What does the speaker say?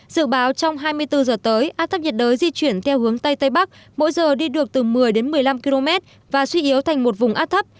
dự báo trong hai mươi bốn giờ tới áp thấp nhiệt đới di chuyển theo hướng tây tây bắc mỗi giờ đi được từ một mươi đến một mươi năm km và suy yếu thành một vùng áp thấp